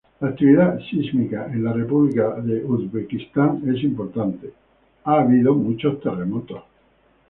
La actividad sísmica en la República de Uzbekistán es importante, ha habido muchos terremotos.